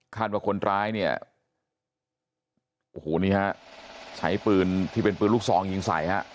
คาดว่าคนร้ายเนี่ยใช้ปืนที่เป็นปืนลูกซองยิงใส่นะครับ